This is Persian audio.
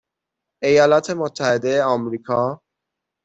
ایالات متحده امریکا